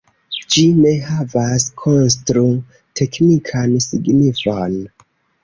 Ĝi ne havas konstru-teknikan signifon.